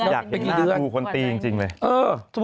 อยากเห็นหน้ากลูกคนตีจริงไหม